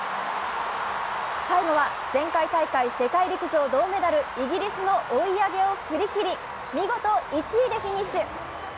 最後は、前回大会世界陸上銅メダル、イギリスの追い上げを振り切り見事、１位でフィニッシュ。